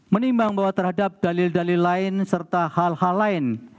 menimbang bahwa terhadap dalil dalil lain serta hal hal lain